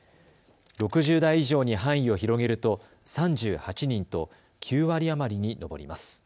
６０代以上に範囲を広げると３８人と９割余りに上ります。